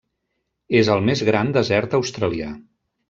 És el més gran desert australià.